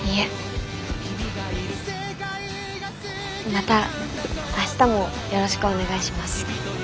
また明日もよろしくお願いします。